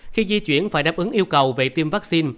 khi di chuyển phải đáp ứng yêu cầu về tiêm vaccine